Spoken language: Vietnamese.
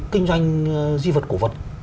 kinh doanh di vật cổ vật